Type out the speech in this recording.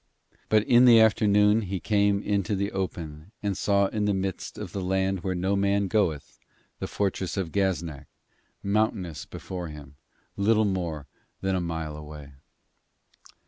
But in the afternoon he came into the open and saw in the midst of The Land Where No Man Goeth the fortress of Gaznak, mountainous before him, little more than a mile away.